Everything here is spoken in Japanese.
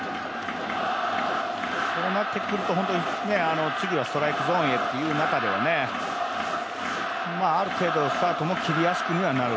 そうなってくると次はストライクゾーンへっていう中でねまあある程度スタートも切りやすくなる。